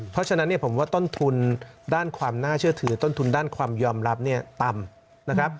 เพราะฉะนั้นผมว่าต้นทุนด้านความน่าเชื่อถือต้นทุนด้านความยอมรับต่ำ